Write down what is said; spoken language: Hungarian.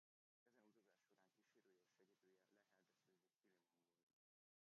Ezen utazás során kísérője és segítője Lehel de Szőnyi Silimon volt.